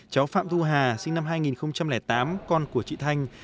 cháu phạm thu hà sinh năm hai nghìn tám con của chị thanh